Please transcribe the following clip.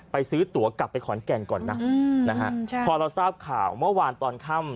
ซื้อตัวกลับไปขอนแก่นก่อนนะนะฮะใช่พอเราทราบข่าวเมื่อวานตอนค่ำ